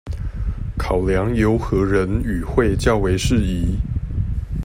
考量由何人與會較為適宜